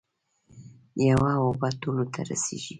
یوه اوبه ټولو ته رسیږي.